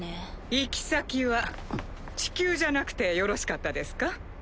・行き先は地球じゃなくてよろしかったですか？